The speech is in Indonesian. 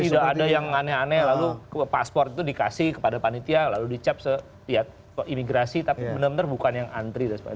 sudah ada yang aneh aneh lalu paspor itu dikasih kepada panitia lalu dicap ke imigrasi tapi benar benar bukan yang antri dan sebagainya